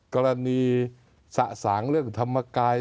กรณีสะสางเรื่องธรรมกาย